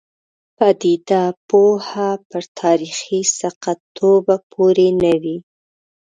پدیده پوه پر تاریخي ثقه توب پورې نه وي.